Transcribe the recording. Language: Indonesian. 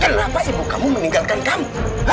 kenapa ibu kamu meninggalkan kamu